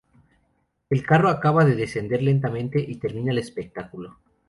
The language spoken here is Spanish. El carro acaba de descender lentamente y termina el espectáculo.